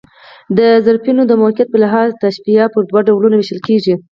د طرفَینو د موقعیت په لحاظ، تشبیه پر دوه ډولونو وېشل کېږي.